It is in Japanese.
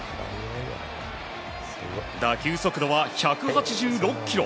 打球速度は１８６キロ。